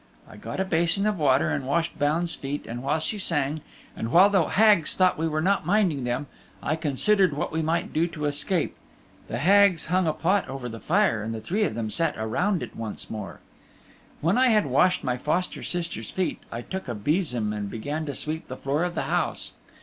I got a basin of water and washed Baun's feet, and while she sang, and while the Hags thought we were not minding them, I considered what we might do to escape. The Hags hung a pot over the fire and the three of them sat around it once more. When I had washed my foster sister's feet I took a besom and began to sweep the floor of the house.